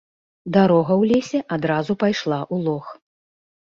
Дарога ў лесе адразу пайшла ў лог.